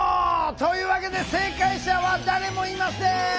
というわけで正解者は誰もいません！